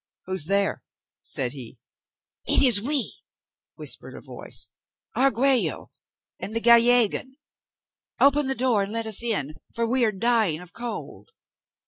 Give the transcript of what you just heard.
"Who's there?" said he. "It is we," whispered a voice, "Argüello and the Gallegan. Open the door and let us in, for we are dying of cold."